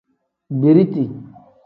Biriti.